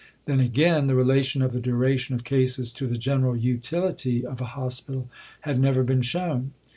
Then, again, the relation of the duration of cases to the general utility of a hospital had never been shown.